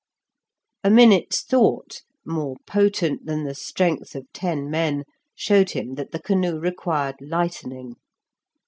A minute's thought, more potent than the strength of ten men, showed him that the canoe required lightening.